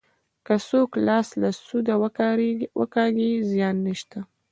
که څوک لاس له سوده وکاږي زیان نشته.